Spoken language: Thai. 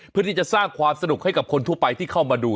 เพื่อที่จะสร้างความสนุกให้กับคนทั่วไปที่เข้ามาดู